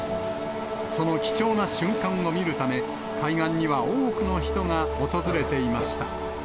その貴重な瞬間を見るため、海岸には多くの人が訪れていまし